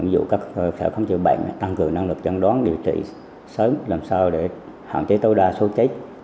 dụ cáp không chịu bệnh tăng cường năng lực chẩn đoán điều trị sớm để hạn chế tối đa sốt chết